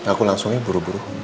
aku langsung ya buru buru